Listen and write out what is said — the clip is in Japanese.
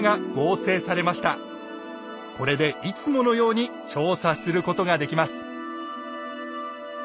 これでいつものように調査することができます！